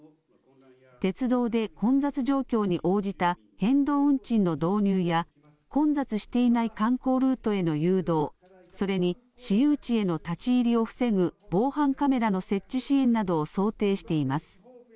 鉄道で混雑状況に応じた変動運賃の導入や、混雑していない観光ルートへの誘導、それに私有地への立ち入りを防ぐ防犯カメラの設置支援などを想定しています。